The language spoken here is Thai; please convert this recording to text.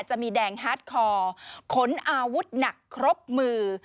จะมีแดงฮาร์ดคอขนอาวุธหนักครบมือ